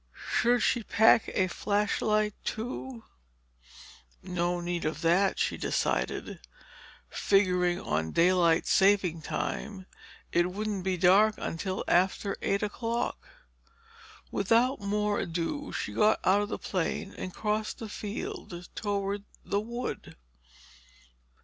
Should she pack a flash light, too? No need of that, she decided. Figuring on daylight saving time, it wouldn't be dark until after eight o'clock. Without more ado, she got out of the plane and crossed the field toward the wood.